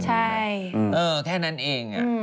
ใช่แค่นั้นเอง